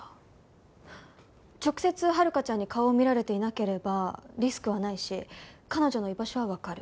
直接遥香ちゃんに顔を見られていなければリスクはないし彼女の居場所はわかる。